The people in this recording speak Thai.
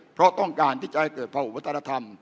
เพราะต้องการที่จะให้เกิดภาหุวัฒนธรรม